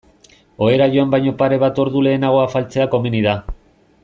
Ohera joan baino pare bat ordu lehenago afaltzea komeni da.